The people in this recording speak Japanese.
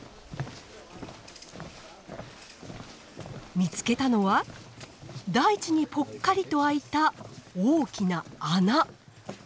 見つけたのは大地にぽっかりと開いた大きな穴。